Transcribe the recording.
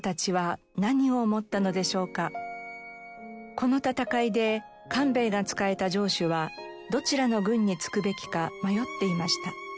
この戦いで官兵衛が仕えた城主はどちらの軍につくべきか迷っていました。